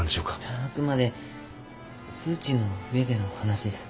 あくまで数値の上での話です。